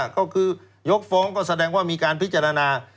ก็คือยกฟ้องก็แสดงว่ามีการพิจารณา